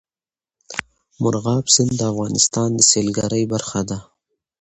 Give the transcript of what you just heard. مورغاب سیند د افغانستان د سیلګرۍ برخه ده.